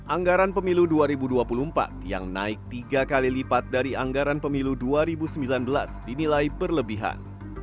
anggaran pemilu dua ribu dua puluh empat yang naik tiga kali lipat dari anggaran pemilu dua ribu sembilan belas dinilai berlebihan